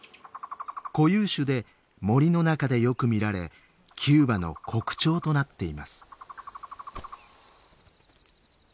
固有種で森の中でよく見られキューバの国鳥となっています。